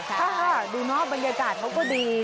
ถ้าดูเนาะบรรยากาศเขาก็ดี